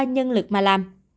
nhân lực mà làm